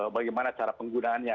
bagaimana cara penggunaannya